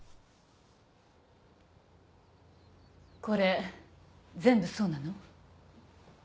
これ全部そうなの？